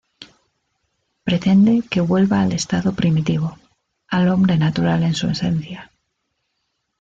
Pretende que vuelva al estado primitivo, al hombre natural en su esencia.